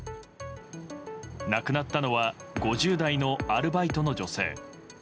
亡くなったのは５０代のアルバイトの女性。